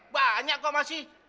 banyak kok masih